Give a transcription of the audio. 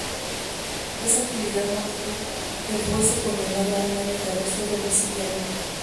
Esa actividad motivó que fuese condenado a un año de arresto domiciliario.